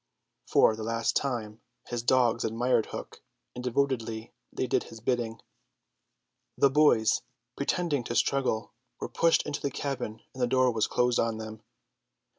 For the last time his dogs admired Hook, and devotedly they did his bidding. The boys, pretending to struggle, were pushed into the cabin and the door was closed on them.